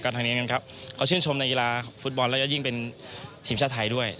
ทางนี้กันครับเขาชื่นชมในกีฬาฟุตบอลแล้วก็ยิ่งเป็นทีมชาติไทยด้วย